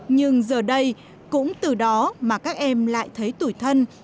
nhưng giờ đây cũng từ đó mà các em lại thấy tuổi thân